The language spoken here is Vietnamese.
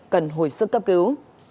cần hồi sức cấp cứu